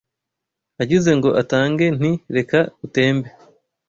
Agize ngo atange nti “reka utembe.”